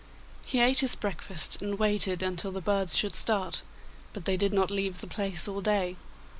He ate his breakfast, and waited until the birds should start, but they did not leave the place all day.